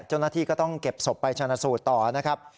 เจ้าหน้าที่ก็ต้องเก็บศพไปชนะสูตรต่อนะครับ